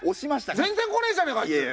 全然来ねえじゃねえかあいつ。